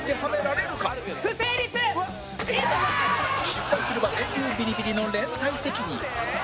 失敗すれば電流ビリビリの連帯責任